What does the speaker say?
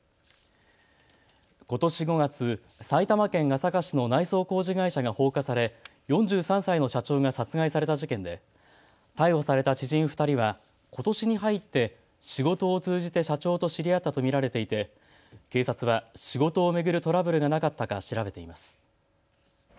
ことし５月、埼玉県朝霞市の内装工事会社が放火され４３歳の社長が殺害された事件で逮捕された知人２人はことしに入って仕事を通じて社長と知り合ったと見られていて警察は仕事を巡るトラブルがなかったか調べています。